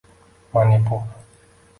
Manipur…